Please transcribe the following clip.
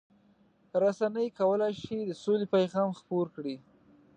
رسنۍ کولای شي د سولې پیغام خپور کړي.